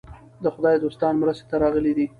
د خدای دوستان مرستې ته راغلي دي.